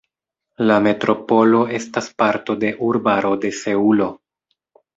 La metropolo estas parto de urbaro de Seulo.